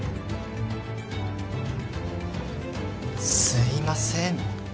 すいません。